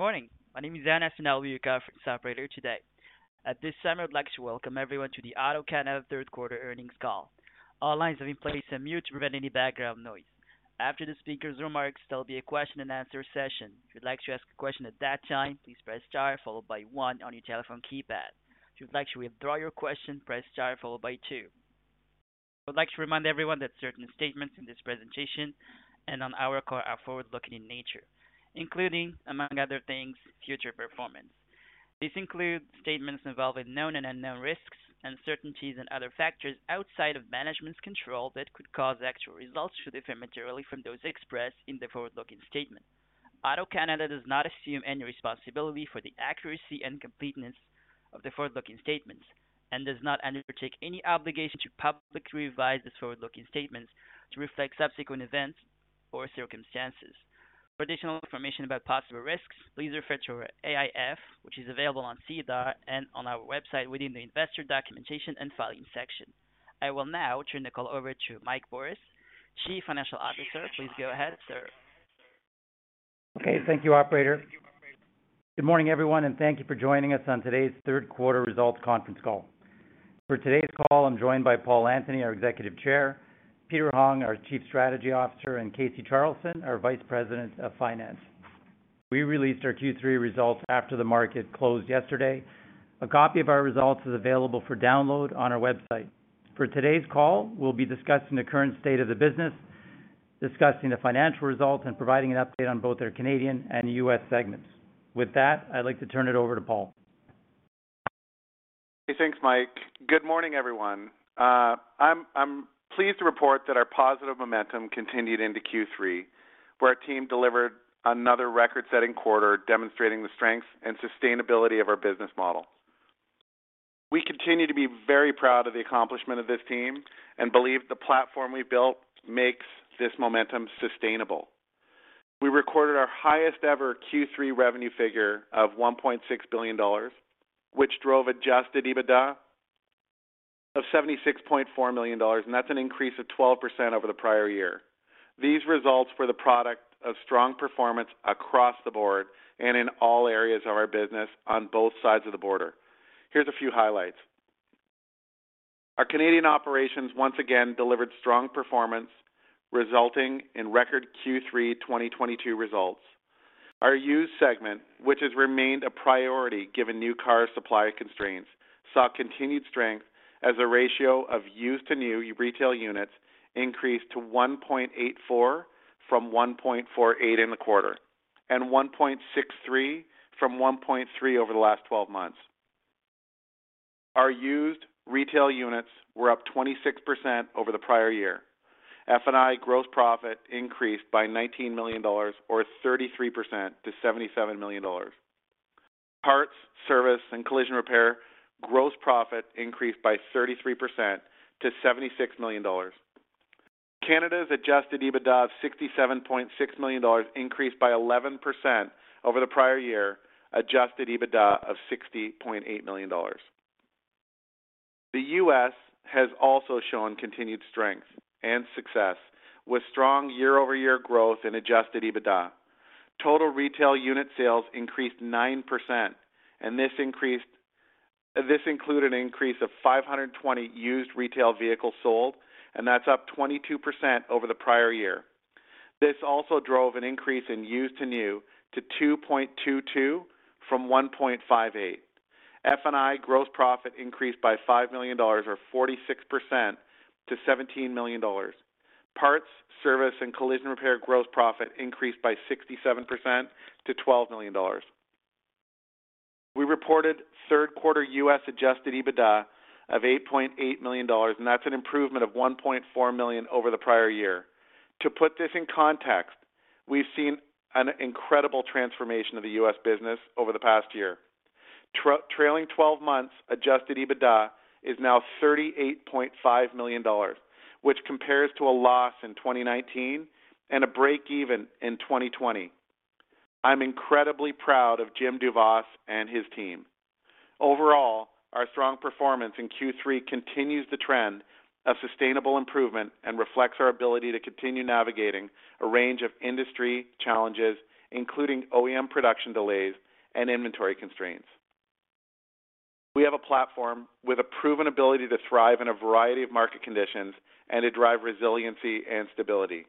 Good morning. My name is Anna, and I'll be your conference operator today. At this time, I'd like to welcome everyone to the AutoCanada third quarter earnings call. All lines have been placed on mute to prevent any background noise. After the speaker's remarks, there'll be a question-and-answer session. If you'd like to ask a question at that time, please press star followed by one on your telephone keypad. If you'd like to withdraw your question, press star followed by two. I would like to remind everyone that certain statements in this presentation and on our call are forward-looking in nature, including, among other things, future performance. These include statements involving known and unknown risks, uncertainties and other factors outside of management's control that could cause actual results to differ materially from those expressed in the forward-looking statement. AutoCanada does not assume any responsibility for the accuracy and completeness of the forward-looking statements and does not undertake any obligation to publicly revise these forward-looking statements to reflect subsequent events or circumstances. For additional information about possible risks, please refer to our AIF, which is available on SEDAR and on our website within the Investor Documentation and Filing section. I will now turn the call over to Michael Borys, Chief Financial Officer. Please go ahead, sir. Okay. Thank you, operator. Good morning, everyone, and thank you for joining us on today's third quarter results conference call. For today's call, I'm joined by Paul Antony, our Executive Chair, Peter Hong, our Chief Strategy Officer, and Casey Charleson, our Vice President of Finance. We released our Q3 results after the market closed yesterday. A copy of our results is available for download on our website. For today's call, we'll be discussing the current state of the business, discussing the financial results, and providing an update on both our Canadian and U.S. segments. With that, I'd like to turn it over to Paul. Thanks, Mike. Good morning, everyone. I'm pleased to report that our positive momentum continued into Q3, where our team delivered another record-setting quarter demonstrating the strength and sustainability of our business model. We continue to be very proud of the accomplishment of this team and believe the platform we built makes this momentum sustainable. We recorded our highest ever Q3 revenue figure of 1.6 billion dollars, which drove adjusted EBITDA of 76.4 million dollars, and that's an increase of 12% over the prior year. These results were the product of strong performance across the board and in all areas of our business on both sides of the border. Here's a few highlights. Our Canadian operations once again delivered strong performance, resulting in record Q3 2022 results. Our used segment, which has remained a priority given new car supply constraints, saw continued strength as a ratio of used to new retail units increased to 1.84 from 1.48 in the quarter, and 1.63 from 1.3 over the last 12 months. Our used retail units were up 26% over the prior year. F&I gross profit increased by 19 million dollars or 33% to 77 million dollars. Parts, service, and collision repair gross profit increased by 33% to 76 million dollars. Canada's adjusted EBITDA of 67.6 million dollars increased by 11% over the prior year adjusted EBITDA of 60.8 million dollars. The US has also shown continued strength and success with strong year-over-year growth in adjusted EBITDA. Total retail unit sales increased 9%, and this included an increase of 520 used retail vehicles sold, and that's up 22% over the prior year. This also drove an increase in used to new to 2.22 from 1.58. F&I gross profit increased by 5 million dollars or 46% to 17 million dollars. Parts, service, and collision repair gross profit increased by 67% to 12 million dollars. We reported third quarter U.S. adjusted EBITDA of $8.8 million, and that's an improvement of $1.4 million over the prior year. To put this in context, we've seen an incredible transformation of the U.S. business over the past year. Trailing twelve months adjusted EBITDA is now 38.5 million dollars, which compares to a loss in 2019 and a break even in 2020. I'm incredibly proud of Jim Duva and his team. Overall, our strong performance in Q3 continues the trend of sustainable improvement and reflects our ability to continue navigating a range of industry challenges, including OEM production delays and inventory constraints. We have a platform with a proven ability to thrive in a variety of market conditions and to drive resiliency and stability.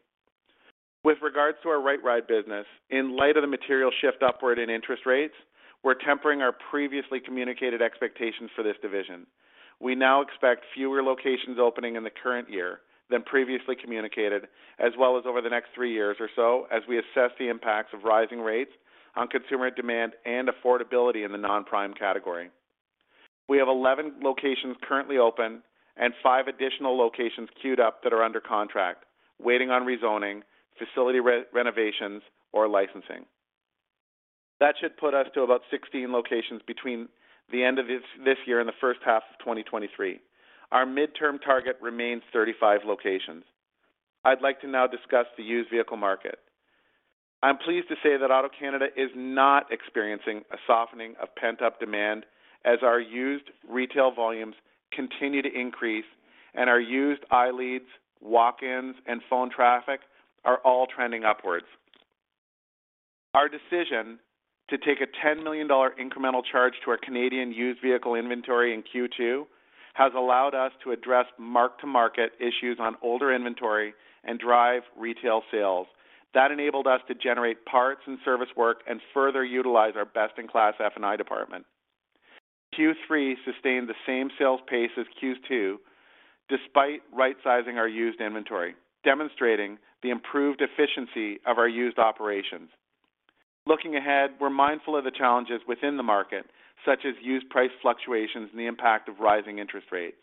With regards to our RightRide business, in light of the material shift upward in interest rates, we're tempering our previously communicated expectations for this division. We now expect fewer locations opening in the current year than previously communicated, as well as over the next three years or so as we assess the impacts of rising rates on consumer demand and affordability in the non-prime category. We have 11 locations currently open and five additional locations queued up that are under contract, waiting on rezoning, facility re-renovations or licensing. That should put us to about 16 locations between the end of this year and the first half of 2023. Our midterm target remains 35 locations. I'd like to now discuss the used vehicle market. I'm pleased to say that AutoCanada is not experiencing a softening of pent-up demand as our used retail volumes continue to increase. Our used iLeads, walk-ins, and phone traffic are all trending upwards. Our decision to take a 10 million dollar incremental charge to our Canadian used vehicle inventory in Q2 has allowed us to address mark-to-market issues on older inventory and drive retail sales. That enabled us to generate parts and service work and further utilize our best-in-class F&I department. Q3 sustained the same sales pace as Q2 despite rightsizing our used inventory, demonstrating the improved efficiency of our used operations. Looking ahead, we're mindful of the challenges within the market, such as used price fluctuations and the impact of rising interest rates.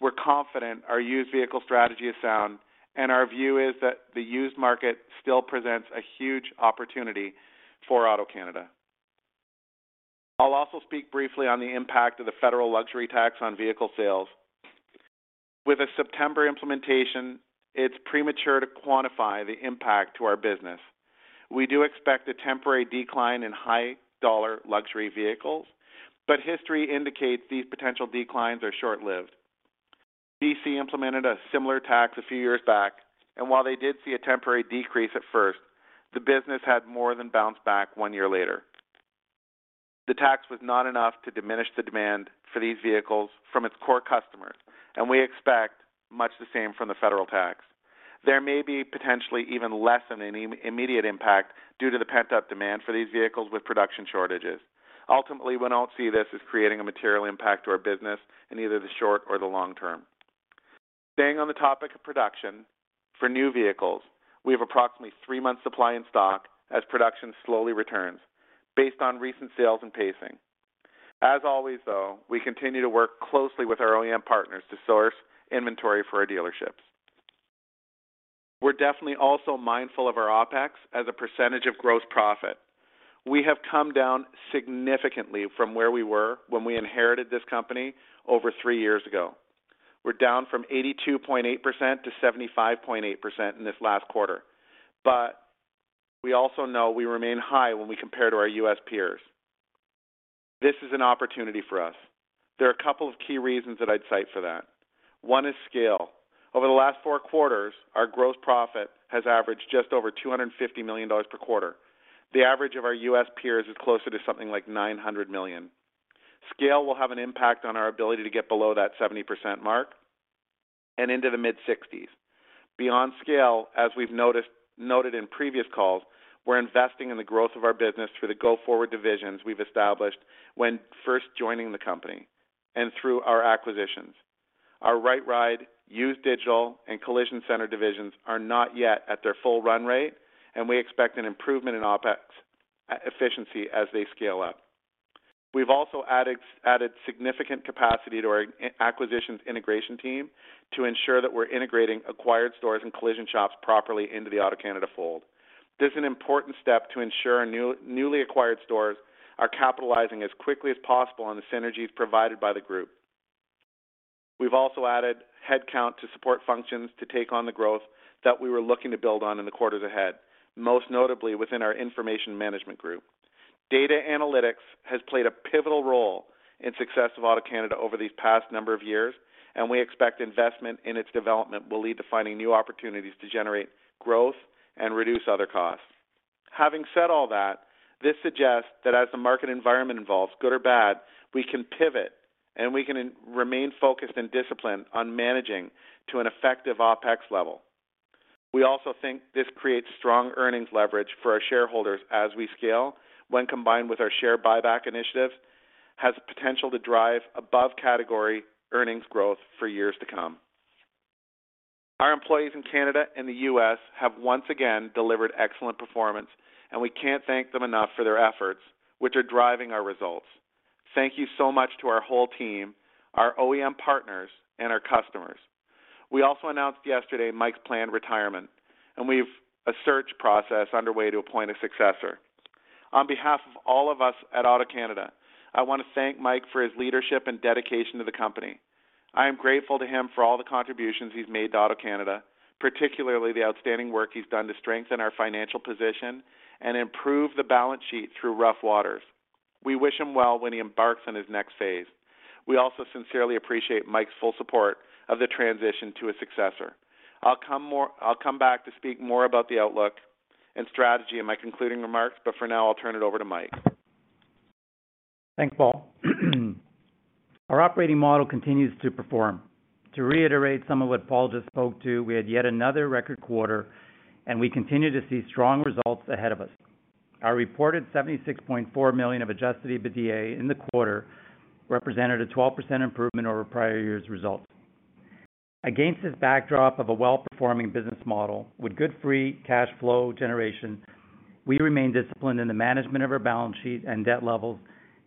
We're confident our used vehicle strategy is sound, and our view is that the used market still presents a huge opportunity for AutoCanada. I'll also speak briefly on the impact of the federal luxury tax on vehicle sales. With a September implementation, it's premature to quantify the impact to our business. We do expect a temporary decline in high-dollar luxury vehicles, but history indicates these potential declines are short-lived. BC implemented a similar tax a few years back, and while they did see a temporary decrease at first, the business had more than bounced back one year later. The tax was not enough to diminish the demand for these vehicles from its core customers, and we expect much the same from the federal tax. There may be potentially even less than an immediate impact due to the pent-up demand for these vehicles with production shortages. Ultimately, we don't see this as creating a material impact to our business in either the short or the long term. Staying on the topic of production, for new vehicles, we have approximately three months supply in stock as production slowly returns based on recent sales and pacing. As always, though, we continue to work closely with our OEM partners to source inventory for our dealerships. We're definitely also mindful of our OpEx as a percentage of gross profit. We have come down significantly from where we were when we inherited this company over three years ago. We're down from 82.8% to 75.8% in this last quarter. We also know we remain high when we compare to our U.S. peers. This is an opportunity for us. There are a couple of key reasons that I'd cite for that. One is scale. Over the last four quarters, our gross profit has averaged just over 250 million dollars per quarter. The average of our U.S. peers is closer to something like $900 million. Scale will have an impact on our ability to get below that 70% mark and into the mid-60s. Beyond scale, as we've noted in previous calls, we're investing in the growth of our business through the go-forward divisions we've established when first joining the company and through our acquisitions. Our RightRide, Used Digital, and Collision Center divisions are not yet at their full run rate, and we expect an improvement in OpEx efficiency as they scale up. We've also added significant capacity to our acquisitions integration team to ensure that we're integrating acquired stores and collision shops properly into the AutoCanada fold. This is an important step to ensure our newly acquired stores are capitalizing as quickly as possible on the synergies provided by the group. We've also added headcount to support functions to take on the growth that we were looking to build on in the quarters ahead, most notably within our information management group. Data analytics has played a pivotal role in success of AutoCanada over these past number of years, and we expect investment in its development will lead to finding new opportunities to generate growth and reduce other costs. Having said all that, this suggests that as the market environment evolves, good or bad, we can pivot, and we can remain focused and disciplined on managing to an effective OpEx level. We also think this creates strong earnings leverage for our shareholders as we scale when combined with our share buyback initiative has potential to drive above category earnings growth for years to come. Our employees in Canada and the US have once again delivered excellent performance, and we can't thank them enough for their efforts, which are driving our results. Thank you so much to our whole team, our OEM partners, and our customers. We also announced yesterday Mike's planned retirement, and we've a search process underway to appoint a successor. On behalf of all of us at AutoCanada, I wanna thank Mike for his leadership and dedication to the company. I am grateful to him for all the contributions he's made to AutoCanada, particularly the outstanding work he's done to strengthen our financial position and improve the balance sheet through rough waters. We wish him well when he embarks on his next phase. We also sincerely appreciate Mike's full support of the transition to a successor. I'll come back to speak more about the outlook and strategy in my concluding remarks, but for now I'll turn it over to Mike. Thanks, Paul. Our operating model continues to perform. To reiterate some of what Paul just spoke to, we had yet another record quarter, and we continue to see strong results ahead of us. Our reported 76.4 million of adjusted EBITDA in the quarter represented a 12% improvement over prior year's results. Against this backdrop of a well-performing business model with good free cash flow generation, we remain disciplined in the management of our balance sheet and debt levels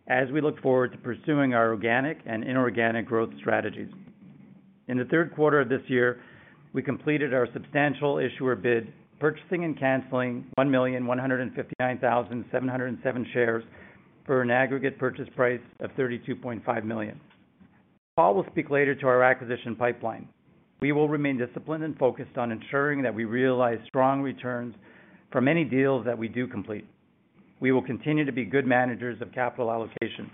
as we look forward to pursuing our organic and inorganic growth strategies. In the third quarter of this year, we completed our substantial issuer bid, purchasing and canceling 1,159,707 shares for an aggregate purchase price of 32.5 million. Paul will speak later to our acquisition pipeline. We will remain disciplined and focused on ensuring that we realize strong returns from any deals that we do complete. We will continue to be good managers of capital allocation.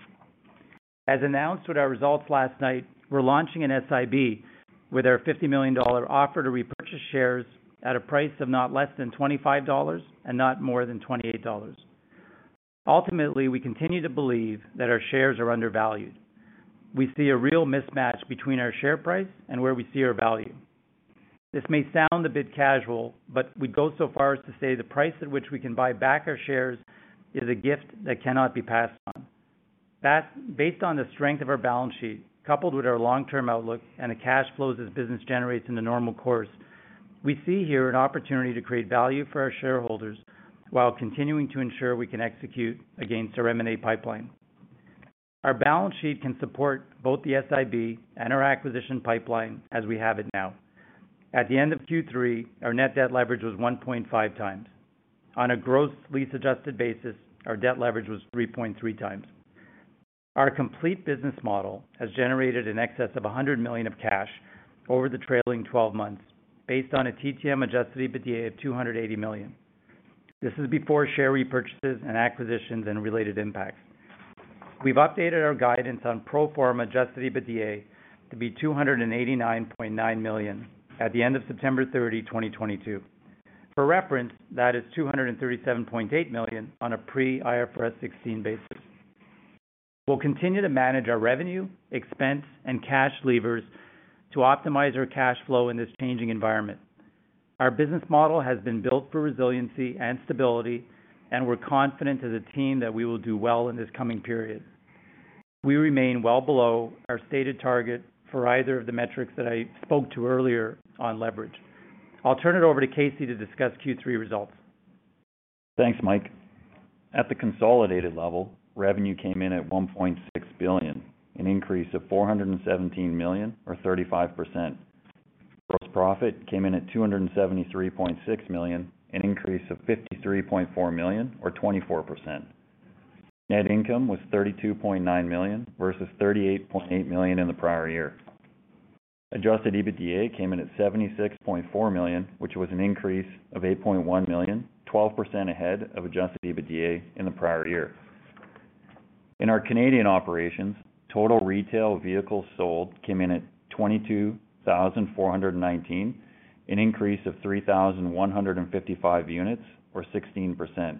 As announced with our results last night, we're launching an SIB with our 50 million dollar offer to repurchase shares at a price of not less than 25 dollars and not more than 28 dollars. Ultimately, we continue to believe that our shares are undervalued. We see a real mismatch between our share price and where we see our value. This may sound a bit casual, but we'd go so far as to say the price at which we can buy back our shares is a gift that cannot be passed on. That's based on the strength of our balance sheet, coupled with our long-term outlook and the cash flows this business generates in the normal course. We see here an opportunity to create value for our shareholders while continuing to ensure we can execute against our M&A pipeline. Our balance sheet can support both the SIB and our acquisition pipeline as we have it now. At the end of Q3, our net debt leverage was 1.5 times. On a gross lease-adjusted basis, our debt leverage was 3.3 times. Our complete business model has generated in excess of 100 million of cash over the trailing twelve months based on a TTM-adjusted EBITDA of 280 million. This is before share repurchases and acquisitions and related impacts. We've updated our guidance on pro forma adjusted EBITDA to be 289.9 million at the end of September 30, 2022. For reference, that is 237.8 million on a pre-IFRS 16 basis. We'll continue to manage our revenue, expense, and cash levers to optimize our cash flow in this changing environment. Our business model has been built for resiliency and stability, and we're confident as a team that we will do well in this coming period. We remain well below our stated target for either of the metrics that I spoke to earlier on leverage. I'll turn it over to Casey to discuss Q3 results. Thanks, Mike. At the consolidated level, revenue came in at 1.6 billion, an increase of 417 million or 35%. Gross profit came in at 273.6 million, an increase of 53.4 million or 24%. Net income was 32.9 million versus 38.8 million in the prior year. Adjusted EBITDA came in at 76.4 million, which was an increase of 8.1 million, 12% ahead of adjusted EBITDA in the prior year. In our Canadian operations, total retail vehicles sold came in at 22,419, an increase of 3,155 units or 16%.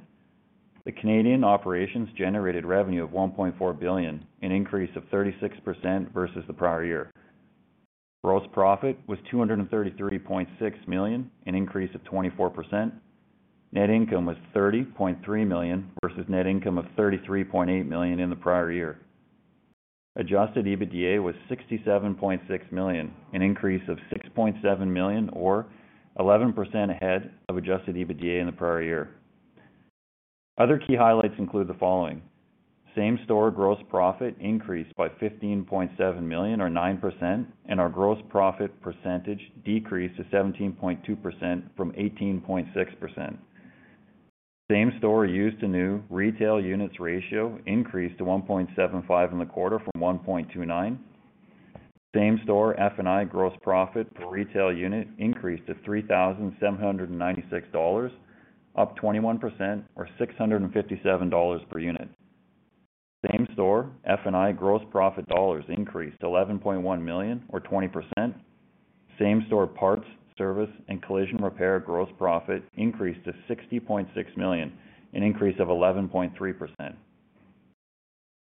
The Canadian operations generated revenue of 1.4 billion, an increase of 36% versus the prior year. Gross profit was 233.6 million, an increase of 24%. Net income was 30.3 million versus net income of 33.8 million in the prior year. Adjusted EBITDA was 67.6 million, an increase of 6.7 million or 11% ahead of adjusted EBITDA in the prior year. Other key highlights include the following. Same-store gross profit increased by 15.7 million or 9%, and our gross profit percentage decreased to 17.2% from 18.6%. Same-store used to new retail units ratio increased to 1.75 in the quarter from 1.29. Same-store F&I gross profit per retail unit increased to 3,796 dollars, up 21% or 657 dollars per unit. Same-store F&I gross profit dollars increased 11.1 million or 20%. Same-store parts, service, and collision repair gross profit increased to 60.6 million, an increase of 11.3%.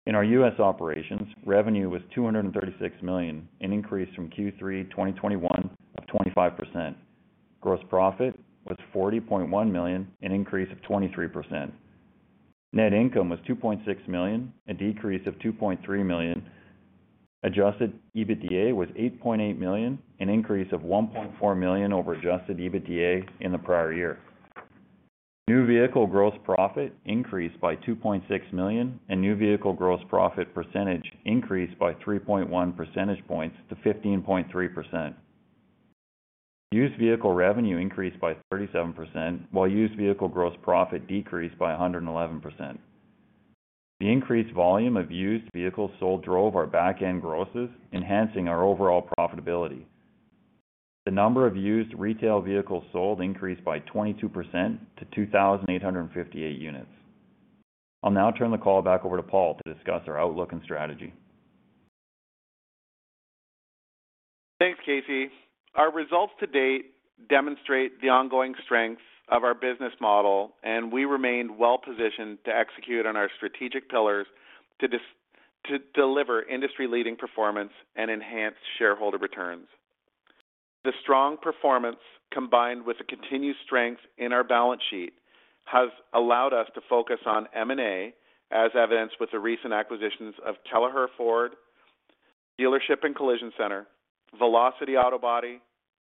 In our US operations, revenue was $236 million, an increase from Q3 2021 of 25%. Gross profit was $40.1 million, an increase of 23%. Net income was $2.6 million, a decrease of $2.3 million. Adjusted EBITDA was $8.8 million, an increase of $1.4 million over adjusted EBITDA in the prior year. New vehicle gross profit increased by $2.6 million, and new vehicle gross profit percentage increased by 3.1 percentage points to 15.3%. Used vehicle revenue increased by 37%, while used vehicle gross profit decreased by 111%. The increased volume of used vehicles sold drove our back-end grosses, enhancing our overall profitability. The number of used retail vehicles sold increased by 22% to 2,858 units. I'll now turn the call back over to Paul to discuss our outlook and strategy. Thanks, Casey. Our results to date demonstrate the ongoing strength of our business model, and we remain well-positioned to execute on our strategic pillars to deliver industry-leading performance and enhance shareholder returns. The strong performance, combined with the continued strength in our balance sheet, has allowed us to focus on M&A, as evidenced with the recent acquisitions of Kelleher Ford Dealership and Collision Center, Velocity Autobody,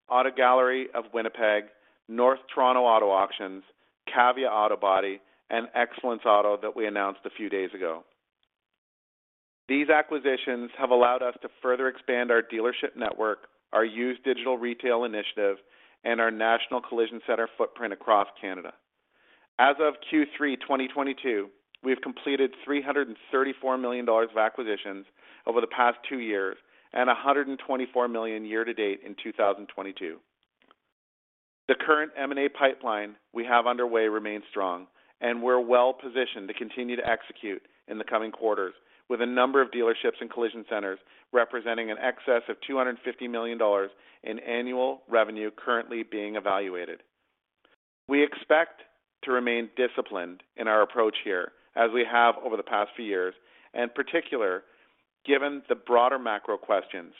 Auto Gallery of Winnipeg, North Toronto Auction, Kavia Auto Body, and Excellence Auto Collision that we announced a few days ago. These acquisitions have allowed us to further expand our dealership network, our Used Digital retail initiative, and our national collision center footprint across Canada. As of Q3 2022, we have completed 334 million dollars of acquisitions over the past two years and 124 million year-to-date in 2022. The current M&A pipeline we have underway remains strong, and we're well positioned to continue to execute in the coming quarters with a number of dealerships and collision centers representing an excess of 250 million dollars in annual revenue currently being evaluated. We expect to remain disciplined in our approach here, as we have over the past few years, and in particular, given the broader macro questions.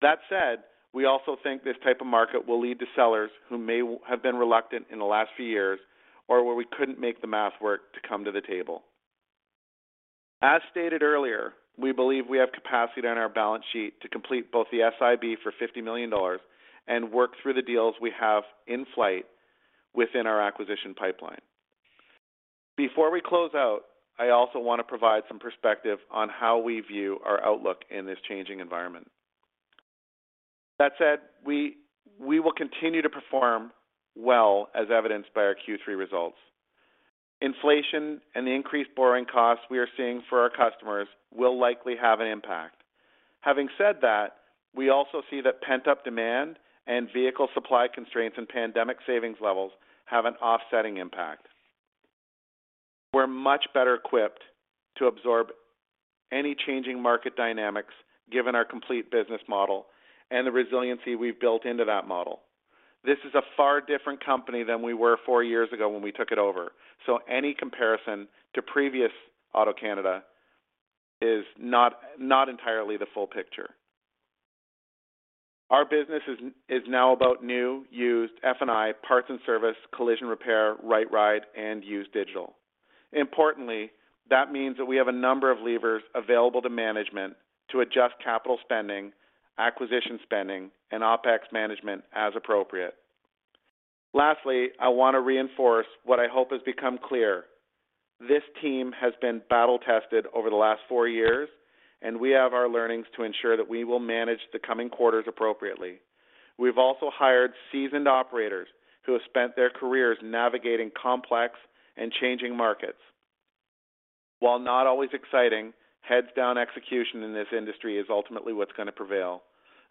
That said, we also think this type of market will lead to sellers who may have been reluctant in the last few years or where we couldn't make the math work to come to the table. As stated earlier, we believe we have capacity on our balance sheet to complete both the SIB for 50 million dollars and work through the deals we have in flight within our acquisition pipeline. Before we close out, I also wanna provide some perspective on how we view our outlook in this changing environment. That said, we will continue to perform well as evidenced by our Q3 results. Inflation and the increased borrowing costs we are seeing for our customers will likely have an impact. Having said that, we also see that pent-up demand and vehicle supply constraints and pandemic savings levels have an offsetting impact. We're much better equipped to absorb any changing market dynamics given our complete business model and the resiliency we've built into that model. This is a far different company than we were four years ago when we took it over, so any comparison to previous AutoCanada is not entirely the full picture. Our business is now about new, used, F&I, parts and service, collision repair, RightRide, and Used Digital. Importantly, that means that we have a number of levers available to management to adjust capital spending, acquisition spending, and OpEx management as appropriate. Lastly, I wanna reinforce what I hope has become clear. This team has been battle-tested over the last four years, and we have our learnings to ensure that we will manage the coming quarters appropriately. We've also hired seasoned operators who have spent their careers navigating complex and changing markets. While not always exciting, heads down execution in this industry is ultimately what's gonna prevail,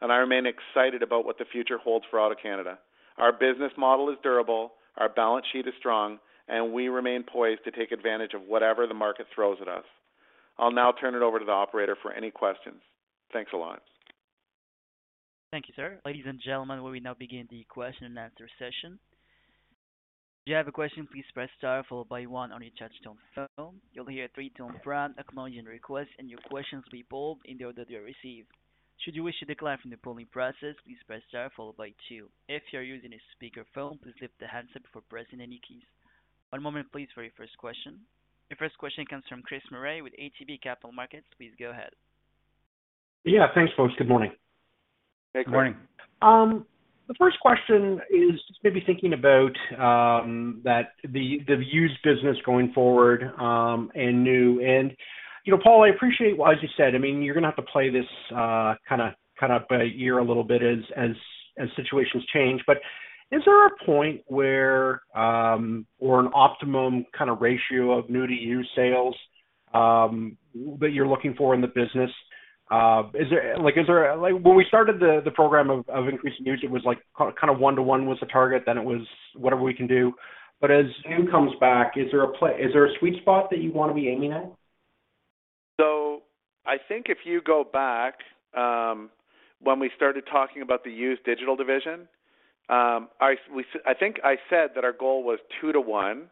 and I remain excited about what the future holds for AutoCanada. Our business model is durable, our balance sheet is strong, and we remain poised to take advantage of whatever the market throws at us. I'll now turn it over to the operator for any questions. Thanks a lot. Thank you, sir. Ladies and gentlemen, we will now begin the question and answer session. If you have a question, please press star followed by one on your touch tone phone. You'll hear a three-tone prompt acknowledging your request, and your questions will be polled in the order they are received. Should you wish to decline from the polling process, please press star followed by two. If you're using a speaker phone, please lift the handset before pressing any keys. One moment please for your first question. Your first question comes from Chris Murray with ATB Capital Markets. Please go ahead. Yeah. Thanks, folks. Good morning. Good morning. The first question is just maybe thinking about the used business going forward and new and, you know, Paul, I appreciate what, as you said, I mean, you're gonna have to play this kinda by ear a little bit as situations change. Is there a point where or an optimum kinda ratio of new to used sales that you're looking for in the business? Like, when we started the program of increasing used, it was like kind of 1 to 1 was the target, then it was whatever we can do. As new comes back, is there a sweet spot that you wanna be aiming at? I think if you go back, when we started talking about the Used Digital division, I think I said that our goal was 2-to-1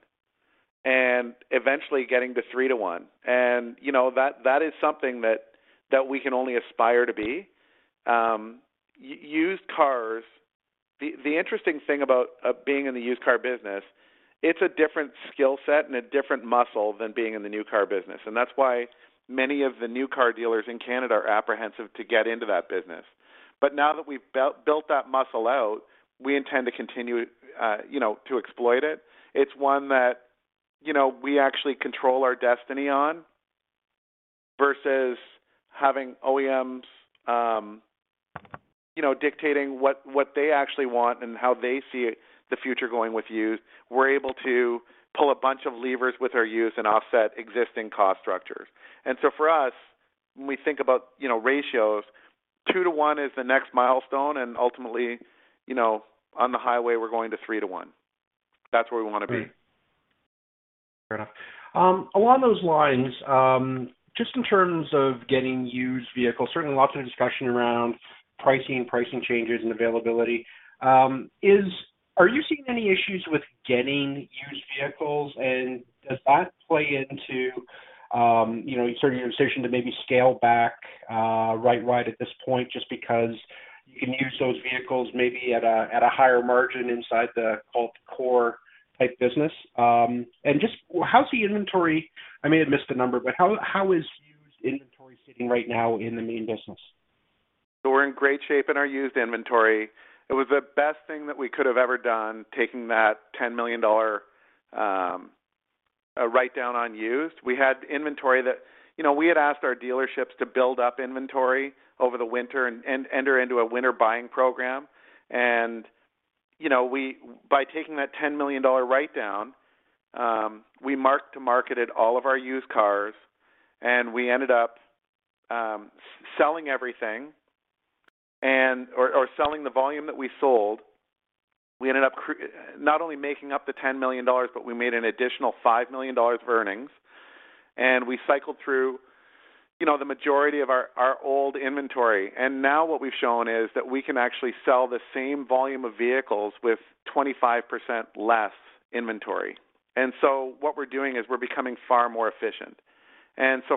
and eventually getting to 3-to-1. You know, that is something that we can only aspire to be. Used cars, the interesting thing about being in the used car business, it's a different skill set and a different muscle than being in the new car business, and that's why many of the new car dealers in Canada are apprehensive to get into that business. Now that we've built that muscle out, we intend to continue, you know, to exploit it. It's one that, you know, we actually control our destiny on versus having OEMs, you know, dictating what they actually want and how they see the future going with used. We're able to pull a bunch of levers with our used and offset existing cost structures. For us, when we think about, you know, ratios, 2 to 1 is the next milestone, and ultimately, you know, on the highway, we're going to 3 to 1. That's where we wanna be. Right. Fair enough. Along those lines, just in terms of getting used vehicles, certainly lots of discussion around pricing changes and availability. Are you seeing any issues with getting used vehicles? And does that play into, you know, sort of your decision to maybe scale back RightRide at this point just because you can use those vehicles maybe at a higher margin inside the called core type business? And just how's the inventory? I may have missed the number, but how is used inventory sitting right now in the main business? We're in great shape in our used inventory. It was the best thing that we could have ever done taking that 10 million dollar write down on used. We had inventory that you know, we had asked our dealerships to build up inventory over the winter and enter into a winter buying program. You know, by taking that 10 million dollar write down, we marked to market all of our used cars, and we ended up selling everything and or selling the volume that we sold, we ended up not only making up the 10 million dollars, but we made an additional 5 million dollars of earnings. We cycled through you know, the majority of our old inventory. Now what we've shown is that we can actually sell the same volume of vehicles with 25% less inventory. What we're doing is we're becoming far more efficient.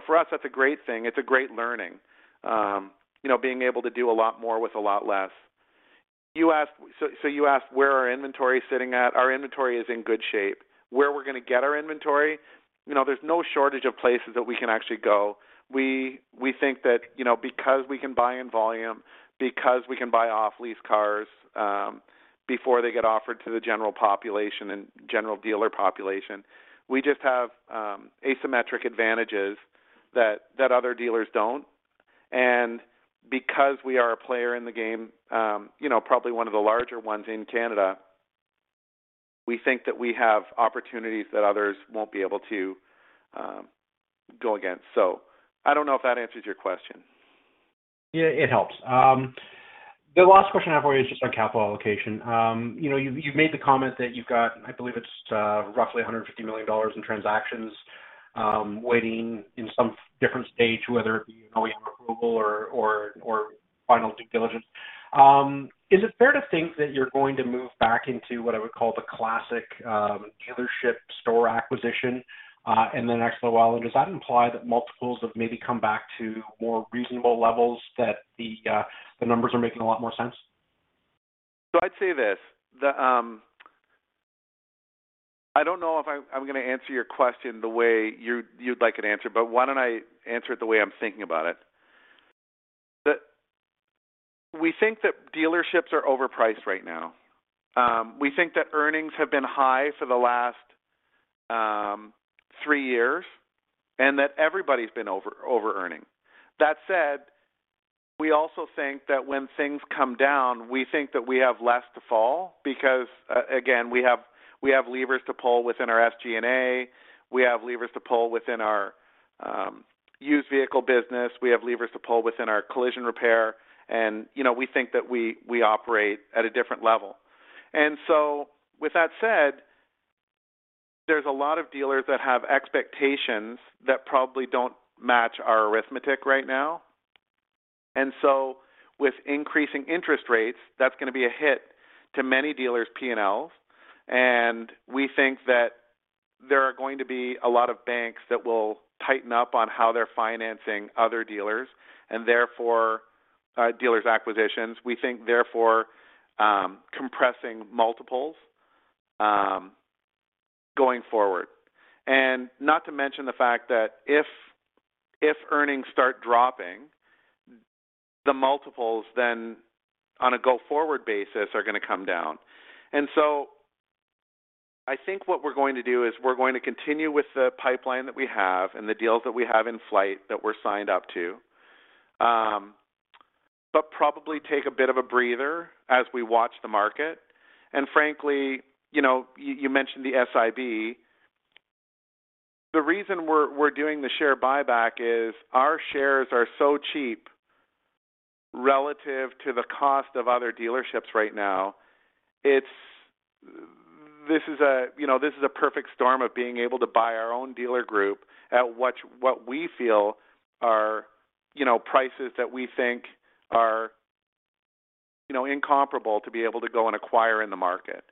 For us, that's a great thing. It's a great learning, you know, being able to do a lot more with a lot less. You asked where our inventory is sitting at. Our inventory is in good shape. Where we're gonna get our inventory, you know, there's no shortage of places that we can actually go. We think that, you know, because we can buy in volume, because we can buy off lease cars, before they get offered to the general population and general dealer population, we just have asymmetric advantages that other dealers don't. Because we are a player in the game, you know, probably one of the larger ones in Canada, we think that we have opportunities that others won't be able to go against. I don't know if that answers your question. Yeah, it helps. The last question I have for you is just on capital allocation. You know, you've made the comment that you've got, I believe it's roughly 150 million dollars in transactions waiting in some different stage, whether it be, you know, approval or final due diligence. Is it fair to think that you're going to move back into what I would call the classic dealership store acquisition in the next little while? Does that imply that multiples have maybe come back to more reasonable levels that the numbers are making a lot more sense? I'd say this. I don't know if I'm gonna answer your question the way you'd like it answered, but why don't I answer it the way I'm thinking about it? We think that dealerships are overpriced right now. We think that earnings have been high for the last three years and that everybody's been overearning. That said, we also think that when things come down, we think that we have less to fall because, again, we have levers to pull within our SG&A, we have levers to pull within our used vehicle business, we have levers to pull within our collision repair, and, you know, we think that we operate at a different level. With that said, there's a lot of dealers that have expectations that probably don't match our arithmetic right now. With increasing interest rates, that's gonna be a hit to many dealers' P&Ls. We think that there are going to be a lot of banks that will tighten up on how they're financing other dealers, and therefore, dealers acquisitions. We think therefore, compressing multiples, going forward. Not to mention the fact that if earnings start dropping, the multiples then on a go-forward basis are gonna come down. I think what we're going to do is we're going to continue with the pipeline that we have and the deals that we have in flight that we're signed up to, but probably take a bit of a breather as we watch the market. Frankly, you know, you mentioned the SIB. The reason we're doing the share buyback is our shares are so cheap relative to the cost of other dealerships right now. It's. This is a, you know, perfect storm of being able to buy our own dealer group at what we feel are, you know, prices that we think are, you know, incomparable to be able to go and acquire in the market.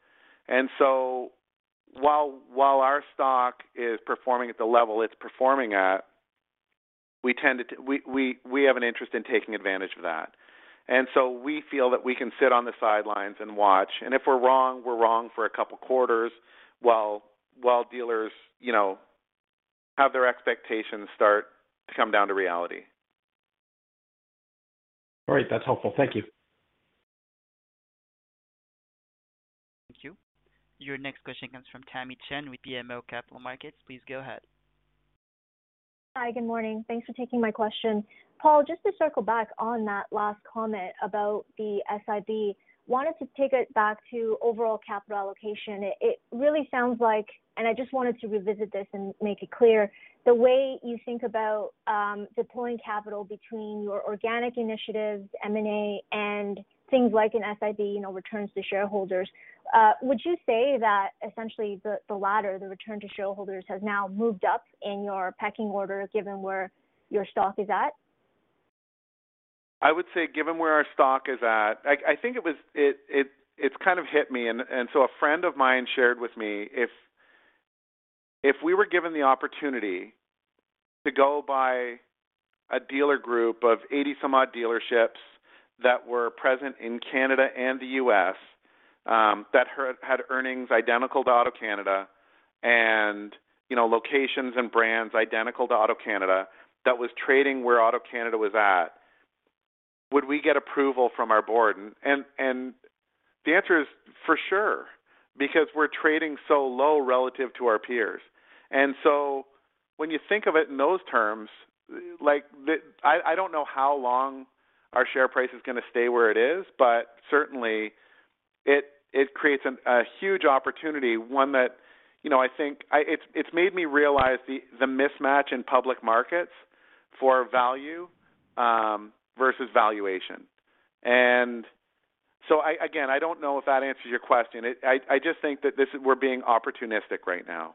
While our stock is performing at the level it's performing at, we tend to. We have an interest in taking advantage of that. We feel that we can sit on the sidelines and watch, and if we're wrong, we're wrong for a couple quarters while dealers, you know, have their expectations start to come down to reality. All right. That's helpful. Thank you. Thank you. Your next question comes from Tamy Chen with BMO Capital Markets. Please go ahead. Hi, good morning. Thanks for taking my question. Paul, just to circle back on that last comment about the SIB, wanted to take it back to overall capital allocation. It really sounds like, and I just wanted to revisit this and make it clear, the way you think about deploying capital between your organic initiatives, M&A, and things like an SIB, you know, returns to shareholders, would you say that essentially the latter, the return to shareholders, has now moved up in your pecking order given where your stock is at? I would say given where our stock is at, I think it's kind of hit me, so a friend of mine shared with me if we were given the opportunity to go buy a dealer group of 80-some-odd dealerships that were present in Canada and the US, that had earnings identical to AutoCanada and, you know, locations and brands identical to AutoCanada that was trading where AutoCanada was at, would we get approval from our board? The answer is for sure, because we're trading so low relative to our peers. When you think of it in those terms, I don't know how long our share price is gonna stay where it is, but certainly it creates a huge opportunity, one that, you know, I think I. It's made me realize the mismatch in public markets for value versus valuation. I again don't know if that answers your question. I just think that this is, we're being opportunistic right now.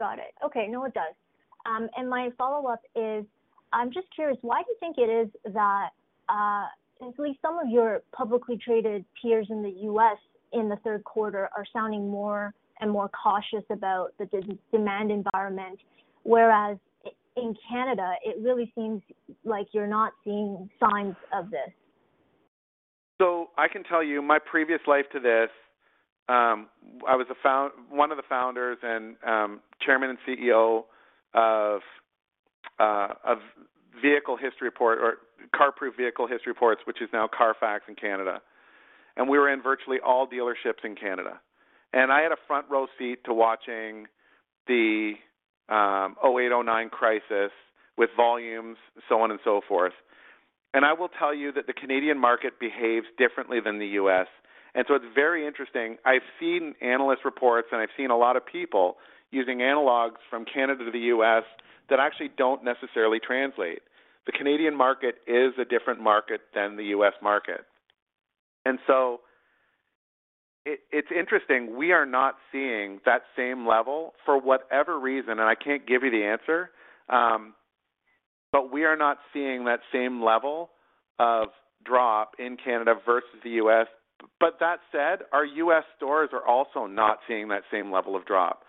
Got it. Okay. No, it does. My follow-up is, I'm just curious why you think it is that, at least some of your publicly traded peers in the U.S. in the third quarter are sounding more and more cautious about the demand environment, whereas in Canada, it really seems like you're not seeing signs of this? I can tell you my previous life to this, I was one of the founders and chairman and CEO of Vehicle History Report or CarProof Vehicle History Reports, which is now CARFAX in Canada. We were in virtually all dealerships in Canada. I had a front row seat to watching the 2008, 2009 crisis with volumes, so on and so forth. I will tell you that the Canadian market behaves differently than the U.S., and so it's very interesting. I've seen analyst reports, and I've seen a lot of people using analogs from Canada to the U.S. that actually don't necessarily translate. The Canadian market is a different market than the U.S. market. It's interesting, we are not seeing that same level for whatever reason, and I can't give you the answer. We are not seeing that same level of drop in Canada versus the US. That said, our US stores are also not seeing that same level of drop.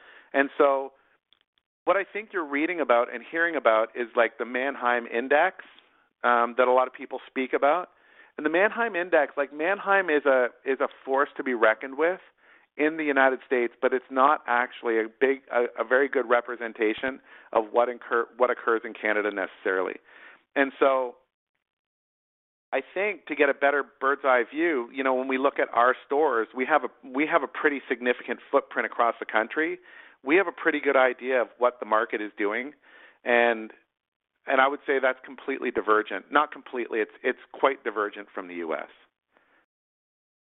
What I think you're reading about and hearing about is like the Manheim Index that a lot of people speak about. The Manheim Index, like Manheim is a force to be reckoned with in the United States, but it's not actually a very good representation of what occurs in Canada necessarily. I think to get a better bird's-eye view, you know, when we look at our stores, we have a pretty significant footprint across the country. We have a pretty good idea of what the market is doing. I would say that's completely divergent. Not completely. It's quite divergent from the U.S.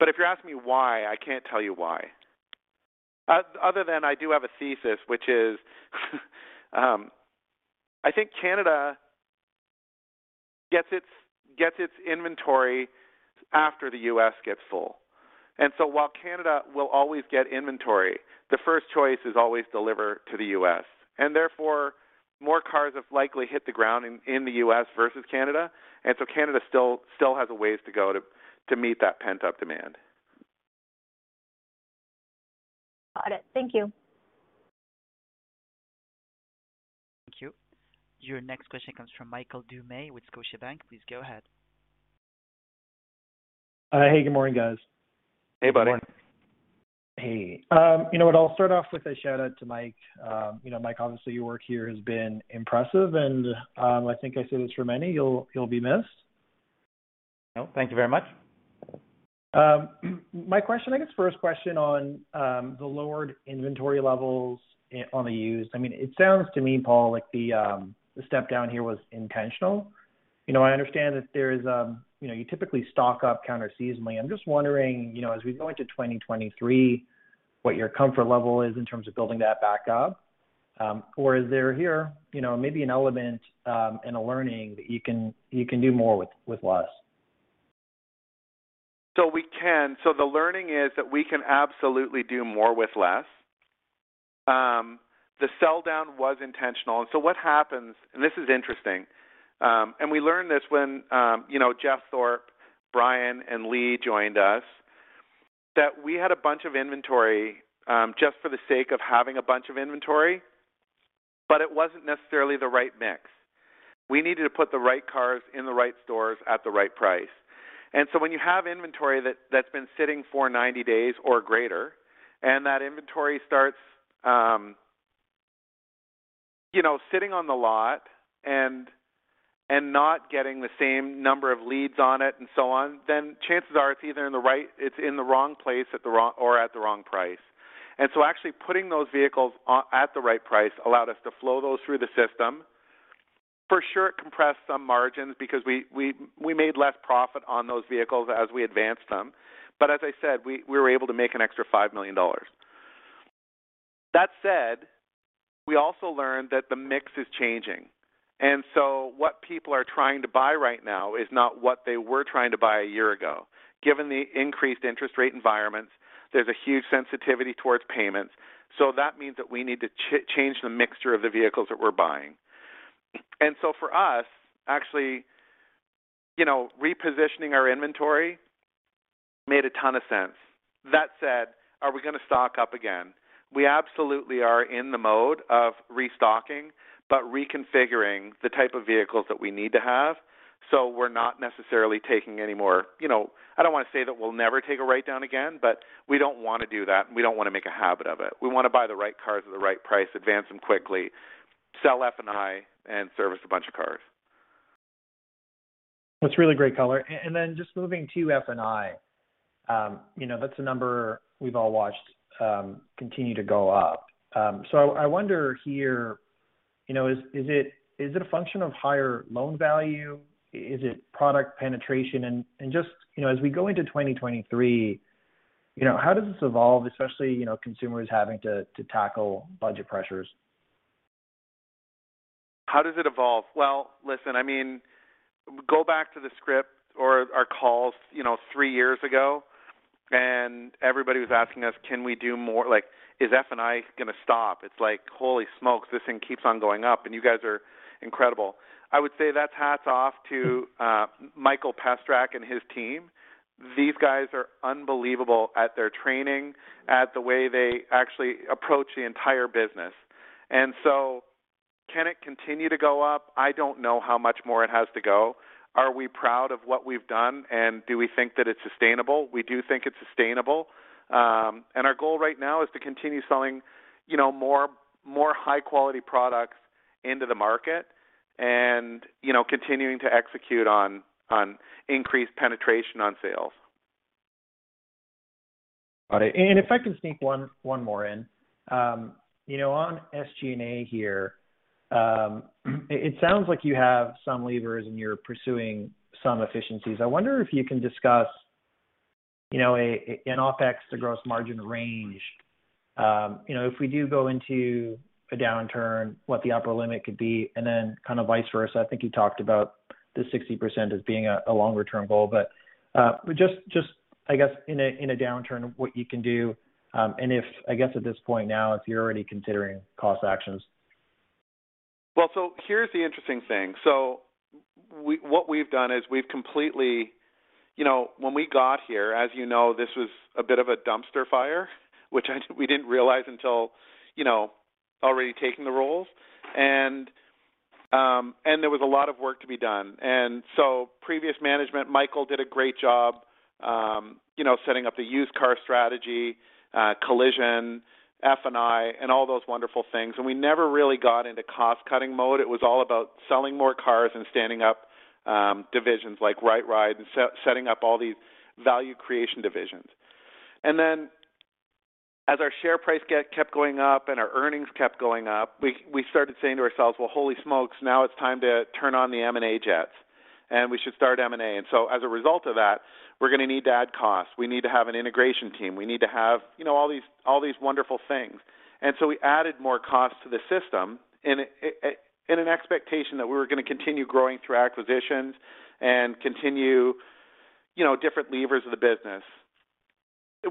If you're asking me why, I can't tell you why. Other than I do have a thesis, which is, I think Canada gets its inventory after the U.S. gets full. While Canada will always get inventory, the first choice is always deliver to the U.S. Therefore, more cars have likely hit the ground in the U.S. versus Canada. Canada still has a ways to go to meet that pent-up demand. Got it. Thank you. Thank you. Your next question comes from Michael Doumet with Scotiabank. Please go ahead. Hey, good morning, guys. Hey, buddy. Hey. You know what, I'll start off with a shout-out to Mike. You know, Mike, obviously, your work here has been impressive and, I think I say this for many, you'll be missed. Oh, thank you very much. My question, I guess first question on the lowered inventory levels on the used. I mean, it sounds to me, Paul, like the step down here was intentional. You know, I understand that there is, you know, you typically stock up counter seasonally. I'm just wondering, you know, as we go into 2023, what your comfort level is in terms of building that back up? Or is there here, you know, maybe an element and a learning that you can do more with less? We can. The learning is that we can absolutely do more with less. The sell down was intentional. What happens, and this is interesting, and we learned this when, you know, Jeff Thorpe, Brian, and Lee joined us, that we had a bunch of inventory, just for the sake of having a bunch of inventory, but it wasn't necessarily the right mix. We needed to put the right cars in the right stores at the right price. When you have inventory that that's been sitting for 90 days or greater, and that inventory starts, you know, sitting on the lot and not getting the same number of leads on it and so on, then chances are it's in the wrong place at the wrong price. Actually putting those vehicles out at the right price allowed us to flow those through the system. For sure, it compressed some margins because we made less profit on those vehicles as we advanced them. As I said, we were able to make an extra 5 million dollars. That said, we also learned that the mix is changing. What people are trying to buy right now is not what they were trying to buy a year ago. Given the increased interest rate environments, there's a huge sensitivity towards payments. That means that we need to change the mixture of the vehicles that we're buying. For us, actually, you know, repositioning our inventory made a ton of sense. That said, are we gonna stock up again? We absolutely are in the mode of restocking, but reconfiguring the type of vehicles that we need to have. We're not necessarily taking any more, you know, I don't wanna say that we'll never take a write-down again, but we don't wanna do that, and we don't wanna make a habit of it. We wanna buy the right cars at the right price, advance them quickly, sell F&I, and service a bunch of cars. That's really great color. Just moving to F&I, you know, that's a number we've all watched continue to go up. I wonder here, you know, is it a function of higher loan value? Is it product penetration? Just, you know, as we go into 2023, you know, how does this evolve, especially, you know, consumers having to tackle budget pressures? How does it evolve? Well, listen, I mean, go back to the script or our calls, you know, three years ago, and everybody was asking us, "Can we do more?" Like, "Is F&I gonna stop?" It's like, holy smokes, this thing keeps on going up, and you guys are incredible. I would say that's hats off to Mikel Pestrak and his team. These guys are unbelievable at their training, at the way they actually approach the entire business. Can it continue to go up? I don't know how much more it has to go. Are we proud of what we've done, and do we think that it's sustainable? We do think it's sustainable. Our goal right now is to continue selling, you know, more high quality products into the market and, you know, continuing to execute on increased penetration on sales. Got it. If I can sneak one more in. You know, on SG&A here, it sounds like you have some levers and you're pursuing some efficiencies. I wonder if you can discuss, you know, an OpEx to gross margin range. You know, if we do go into a downturn, what the upper limit could be, and then kind of vice versa. I think you talked about the 60% as being a longer term goal. But just, I guess, in a downturn, what you can do, and if, I guess at this point now, if you're already considering cost actions. Well, here's the interesting thing. What we've done is we've completely. You know, when we got here, as you know, this was a bit of a dumpster fire, which we didn't realize until, you know, already taking the roles. There was a lot of work to be done. Previous management, Michael did a great job, you know, setting up the used car strategy, collision, F&I, and all those wonderful things, and we never really got into cost-cutting mode. It was all about selling more cars and standing up, divisions like RightRide and setting up all these value creation divisions. As our share price get kept going up and our earnings kept going up, we started saying to ourselves, "Well, holy smokes, now it's time to turn on the M&A jets, and we should start M&A." As a result of that, we're gonna need to add costs. We need to have an integration team. We need to have, you know, all these wonderful things. We added more costs to the system in an expectation that we were gonna continue growing through acquisitions and continue, you know, different levers of the business.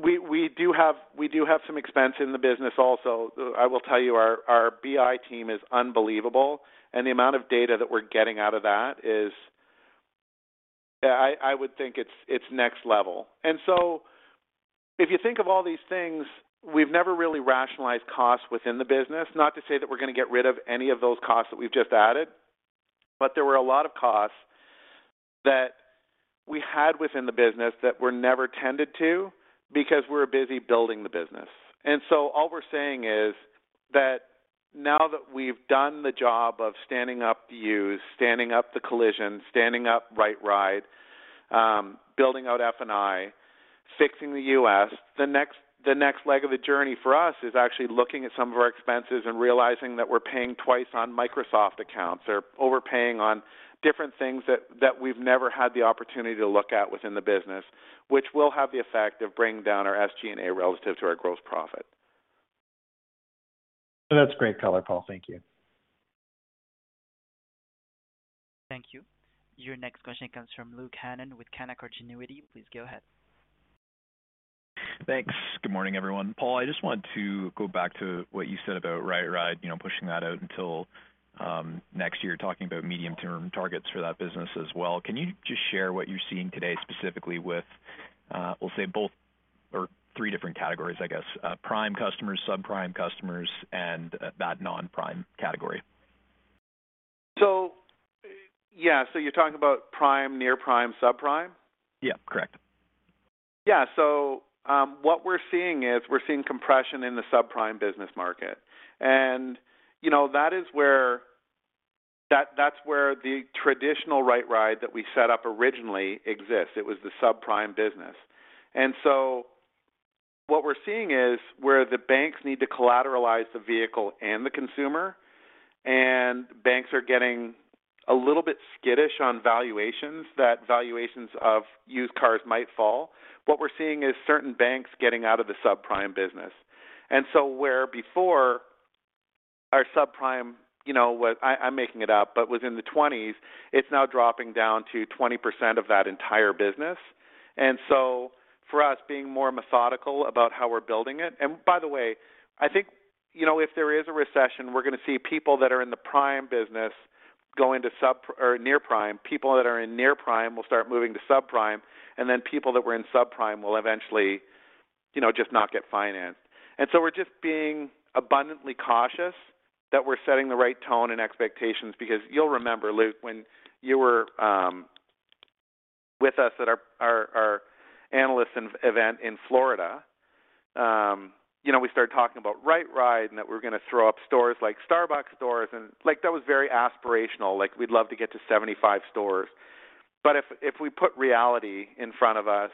We do have some expense in the business also. I will tell you, our BI team is unbelievable, and the amount of data that we're getting out of that is. Yeah, I would think it's next level. If you think of all these things, we've never really rationalized costs within the business, not to say that we're gonna get rid of any of those costs that we've just added, but there were a lot of costs that we had within the business that were never tended to because we were busy building the business. All we're saying is that now that we've done the job of standing up the used, standing up the collision, standing up RightRide, building out F&I, fixing the US, the next leg of the journey for us is actually looking at some of our expenses and realizing that we're paying twice on Microsoft accounts or overpaying on different things that we've never had the opportunity to look at within the business, which will have the effect of bringing down our SG&A relative to our gross profit. That's great color, Paul. Thank you. Thank you. Your next question comes from Luke Hannan with Canaccord Genuity. Please go ahead. Thanks. Good morning, everyone. Paul, I just wanted to go back to what you said about RightRide, you know, pushing that out until next year, talking about medium-term targets for that business as well. Can you just share what you're seeing today specifically with, we'll say two or three different categories, I guess, prime customers, sub-prime customers, and that non-prime category? Yeah. You're talking about prime, near prime, sub-prime? Yeah, correct. Yeah. What we're seeing is compression in the sub-prime business market. You know, that is where the traditional RightRide that we set up originally exists. It was the sub-prime business. What we're seeing is where the banks need to collateralize the vehicle and the consumer, and banks are getting a little bit skittish on valuations, that valuations of used cars might fall. What we're seeing is certain banks getting out of the sub-prime business. Where before our sub-prime, you know, I'm making it up, but was in the twenties, it's now dropping down to 20% of that entire business. For us being more methodical about how we're building it. By the way, I think, you know, if there is a recession, we're gonna see people that are in the prime business go into sub or near prime. People that are in near prime will start moving to sub-prime, and then people that were in sub-prime will eventually, you know, just not get financed. We're just being abundantly cautious that we're setting the right tone and expectations. Because you'll remember, Luke, when you were with us at our analyst investor event in Florida, you know, we started talking about RightRide and that we're gonna throw up stores like Starbucks stores, and like, that was very aspirational. Like, we'd love to get to 75 stores. If we put reality in front of us,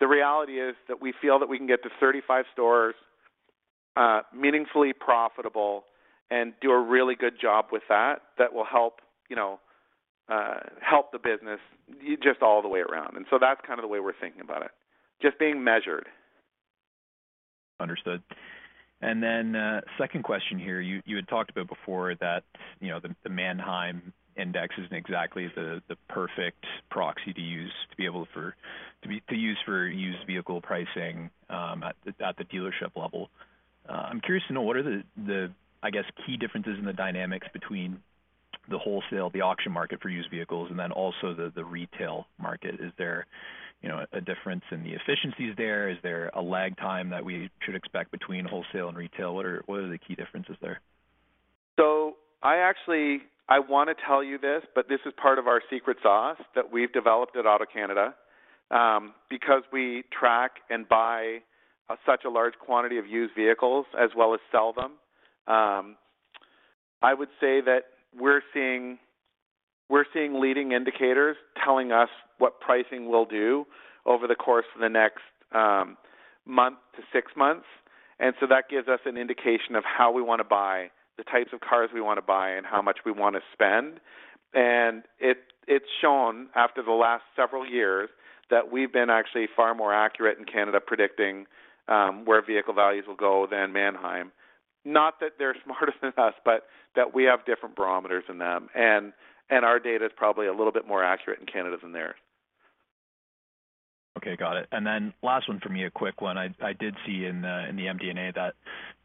the reality is that we feel that we can get to 35 stores, meaningfully profitable and do a really good job with that will help, you know, help the business just all the way around. That's kinda the way we're thinking about it, just being measured. Understood. Second question here. You had talked about before that, you know, the Manheim Index isn't exactly the perfect proxy to use for used vehicle pricing at the dealership level. I'm curious to know what are, I guess, the key differences in the dynamics between the wholesale auction market for used vehicles and the retail market? Is there, you know, a difference in the efficiencies there? Is there a lag time that we should expect between wholesale and retail? What are the key differences there? I actually I wanna tell you this, but this is part of our secret sauce that we've developed at AutoCanada. Because we track and buy such a large quantity of used vehicles as well as sell them, I would say that we're seeing leading indicators telling us what pricing we'll do over the course of the next month to six months. That gives us an indication of how we wanna buy, the types of cars we wanna buy, and how much we wanna spend. It's shown after the last several years that we've been actually far more accurate in Canada predicting where vehicle values will go than Manheim. Not that they're smarter than us, but that we have different barometers than them. Our data is probably a little bit more accurate in Canada than theirs. Okay, got it. Last one for me, a quick one. I did see in the MD&A that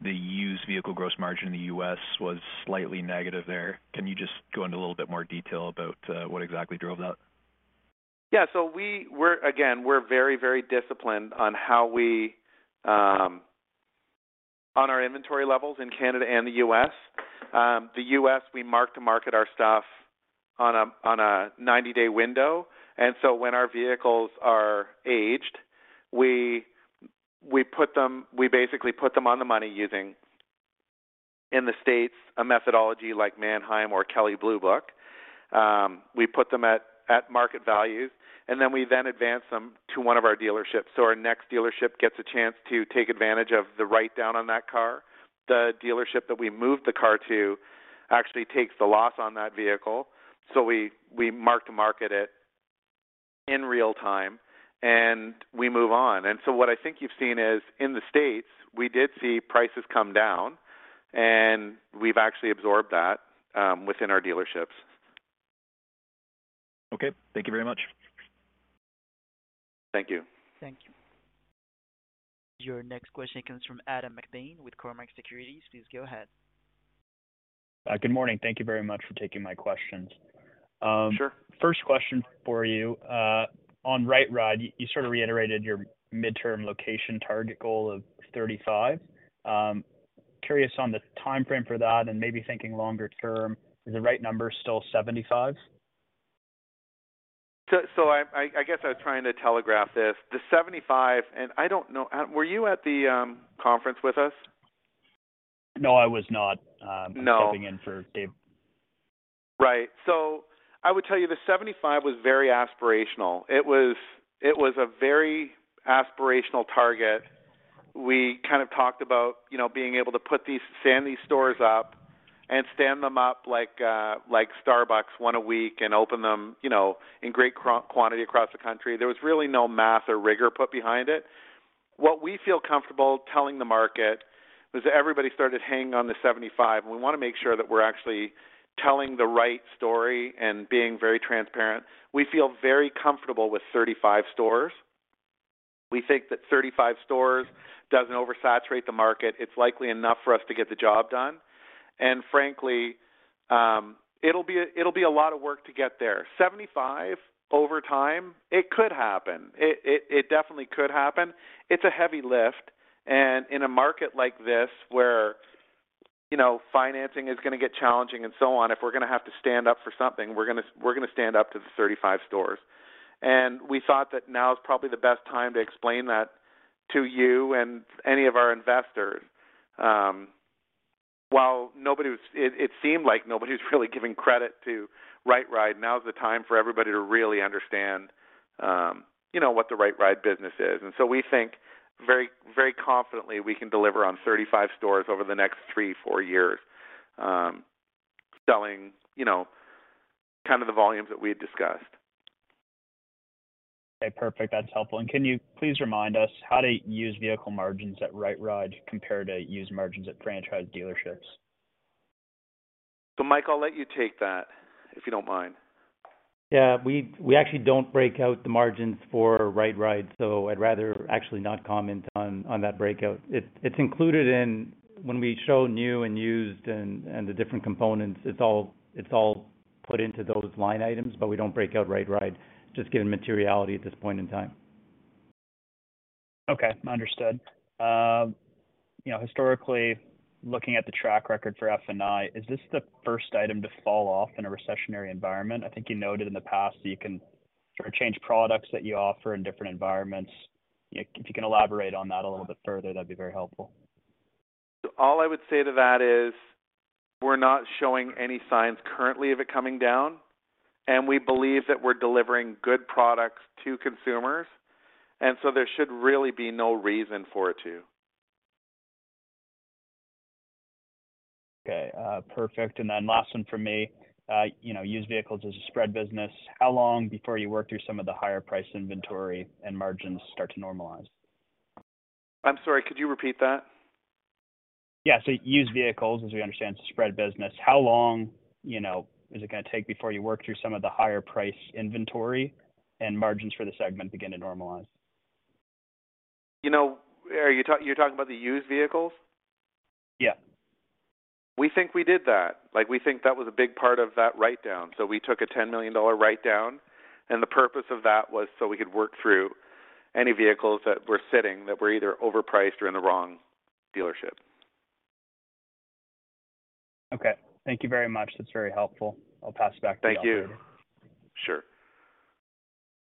the used vehicle gross margin in the U.S. was slightly negative there. Can you just go into a little bit more detail about what exactly drove that? Yeah. We're again very disciplined on our inventory levels in Canada and the US. The US, we mark-to-market our stuff on a 90-day window. When our vehicles are aged, we basically put them on the money using, in the States, a methodology like Manheim or Kelley Blue Book. We put them at market values, and then we advance them to one of our dealerships. Our next dealership gets a chance to take advantage of the write-down on that car. The dealership that we moved the car to actually takes the loss on that vehicle. We mark-to-market it in real time, and we move on. What I think you've seen is, in the States, we did see prices come down, and we've actually absorbed that within our dealerships. Okay. Thank you very much. Thank you. Thank you. Your next question comes from Adam MacLean with Cormark Securities. Please go ahead. Good morning. Thank you very much for taking my questions. Sure. First question for you, on RightRide, you sort of reiterated your midterm location target goal of 35. Curious on the timeframe for that and maybe thinking longer term, is the right number still 75? I guess I was trying to telegraph this. The 75, and I don't know. Adam, were you at the conference with us? No, I was not. No. I'm filling in for Dave. Right. I would tell you the 75 was very aspirational. It was a very aspirational target. We kind of talked about, you know, being able to stand these stores up and stand them up like Starbucks, 1 a week, and open them, you know, in great quantity across the country. There was really no math or rigor put behind it. What we feel comfortable telling the market was everybody started hanging on the 75, and we wanna make sure that we're actually telling the right story and being very transparent. We feel very comfortable with 35 stores. We think that 35 stores doesn't oversaturate the market. It's likely enough for us to get the job done. Frankly, it'll be a lot of work to get there. 75 over time, it could happen. It definitely could happen. It's a heavy lift. In a market like this where, you know, financing is gonna get challenging and so on, if we're gonna have to stand up for something, we're gonna stand up to the 35 stores. We thought that now is probably the best time to explain that to you and any of our investors. It seemed like nobody's really giving credit to RightRide. Now's the time for everybody to really understand, you know, what the RightRide business is. We think very, very confidently we can deliver on 35 stores over the next 3-4 years, selling, you know, kind of the volumes that we had discussed. Okay, perfect. That's helpful. Can you please remind us how the used vehicle margins at RightRide compare to used margins at franchise dealerships? Mike, I'll let you take that, if you don't mind. Yeah. We actually don't break out the margins for RightRide, so I'd rather actually not comment on that breakout. It's included in when we show new and used and the different components. It's all put into those line items, but we don't break out RightRide just given materiality at this point in time. Okay. Understood. You know, historically, looking at the track record for F&I, is this the first item to fall off in a recessionary environment? I think you noted in the past that you can sort of change products that you offer in different environments. If you can elaborate on that a little bit further, that'd be very helpful. All I would say to that is we're not showing any signs currently of it coming down, and we believe that we're delivering good products to consumers. There should really be no reason for it to. Okay, perfect. Last one for me. You know, used vehicles is a spread business. How long before you work through some of the higher price inventory and margins start to normalize? I'm sorry, could you repeat that? Yeah. Used vehicles, as we understand, is a spread business. How long, you know, is it gonna take before you work through some of the higher price inventory and margins for the segment begin to normalize? You know, are you talking about the used vehicles? Yeah. We think we did that. Like, we think that was a big part of that write-down. We took a 10 million dollar write-down, and the purpose of that was so we could work through any vehicles that were sitting that were either overpriced or in the wrong dealership. Okay. Thank you very much. That's very helpful. I'll pass it back to the operator. Thank you. Sure.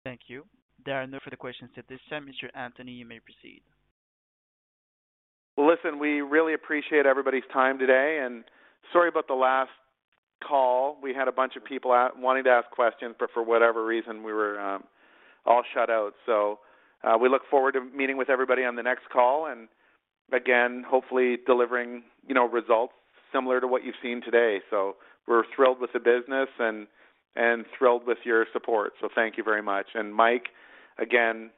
Thank you. There are no further questions at this time. Mr. Anthony, you may proceed. Listen, we really appreciate everybody's time today, and sorry about the last call. We had a bunch of people wanting to ask questions, but for whatever reason, we were all shut out. We look forward to meeting with everybody on the next call and again, hopefully delivering, you know, results similar to what you've seen today. We're thrilled with the business and thrilled with your support. Thank you very much. Mike, again,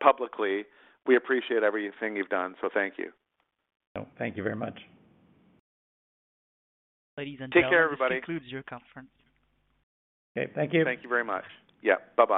publicly, we appreciate everything you've done. Thank you. No, thank you very much. Ladies and gentlemen. Take care, everybody. This concludes your conference. Okay. Thank you. Thank you very much. Yeah. Bye-bye.